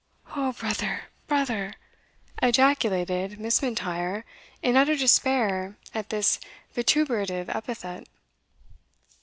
"O brother! brother!" ejaculated Miss M'Intyre, in utter despair at this vituperative epithet.